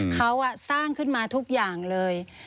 เขาสร้างขึ้นมาทุกอย่างเลย